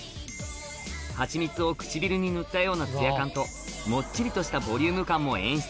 蜂蜜を唇に塗ったようなツヤ感ともっちりとしたボリューム感も演出